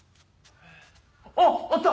あっあった！